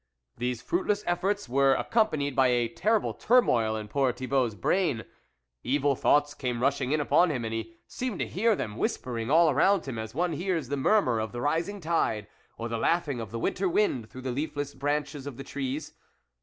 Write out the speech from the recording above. These fruitless efforts were accompanied by a terrible turmoil in poor Thibault's brain; evil thoughts came rushing in upon him, and he seemed to hear them whispering all around him, as one hears the murmur of the rising tide, or the laughing of the winter wind through the leafless branches of the trees.